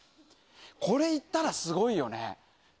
これいったらすごいよね。